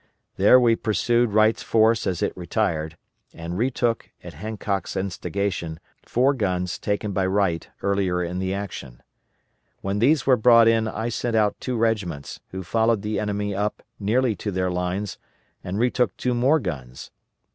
There we pursued Wright's force as it retired, and retook, at Hancock's instigation, four guns taken by Wright earlier in the action. When these were brought in I sent out two regiments, who followed the enemy up nearly to their lines and retook two more guns.